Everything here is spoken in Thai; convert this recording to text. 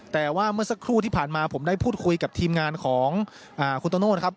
แต่ว่าเมื่อสักครู่ที่ผ่านมาผมได้พูดคุยกับทีมงานของคุณโตโน่นะครับ